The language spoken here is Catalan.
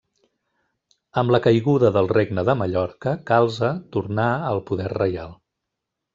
Amb la caiguda del Regne de Mallorca, Calce tornà al poder reial.